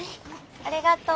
ありがとう。